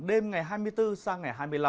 đêm ngày hai mươi bốn sang ngày hai mươi năm